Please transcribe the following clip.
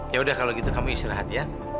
yaudah kalau gitu kamu istirahat ya